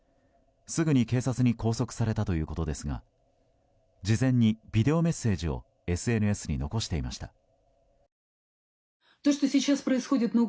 すぐに警察に拘束されたということですが事前にビデオメッセージをＳＮＳに残していました。